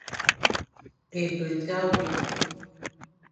É be dia wé,